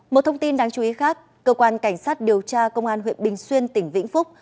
một thông tin đáng chú ý khác cơ quan cảnh sát điều tra công an huyện bình xuyên tỉnh vĩnh phúc